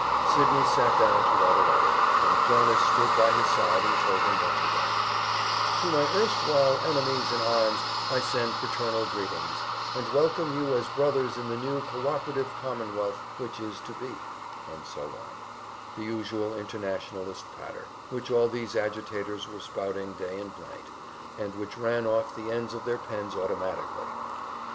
Sydney sat down to write a letter, and Jonas stood by his side and told him what to write: "To my erstwhile enemies in arms I send fraternal greetings, and welcome you as brothers in the new co operative commonwealth which is to be" and so on, the usual Internationalist patter, which all these agitators were spouting day and night, and which ran off the ends of their pens automatically.